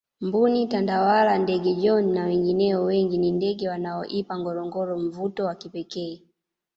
mbuni tandawala ndege John na wengineo wengi ni ndege wanaoipa ngorongoro mvuto wa kipekee